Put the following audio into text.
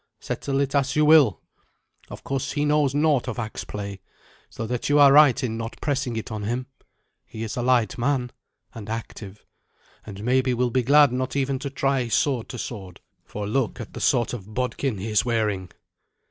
Settle it as you will. Of course he knows naught of axe play, so that you are right in not pressing it on him. He is a light man, and active, and maybe will be glad not even to try sword to sword; for look at the sort of bodkin he is wearing."